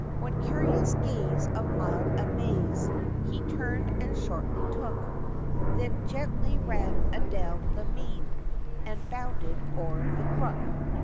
One curious gaze of mild amaze, He turned and shortly took; Then gently ran adown the mead, And bounded o'er the brook.